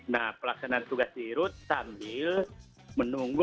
nah pelaksanaan tugas di rut sambil menunggu